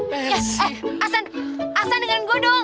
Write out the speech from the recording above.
ya ya eh ah san ah san dengerin gue dong